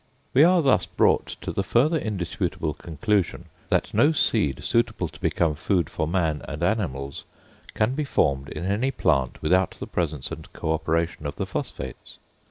We are thus brought to the further indisputable conclusion that no seed suitable to become food for man and animals can be formed in any plant without the presence and co operation of the phosphates.